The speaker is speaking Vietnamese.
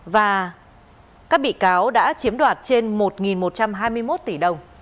và các bị cáo đã chiếm đoạt trên một một trăm hai mươi một tỷ đồng